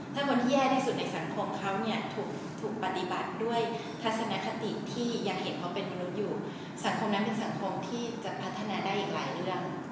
ถ้าคนที่แย่ที่สุดในสังคมเขาเนี่ยถูกปฏิบัติด้วยทัศนคติที่ยังเห็นเขาเป็นมนุษย์อยู่สังคมนั้นเป็นสังคมที่จะพัฒนาได้อีกหลายเรื่อง